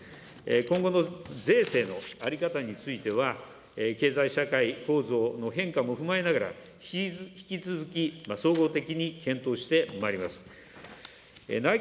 今後の税制の在り方については、経済社会構造の変化も踏まえながら、引き続き総合的に検討してまいります。